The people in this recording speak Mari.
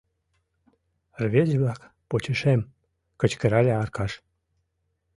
— Рвезе-влак, почешем! — кычкырале Аркаш.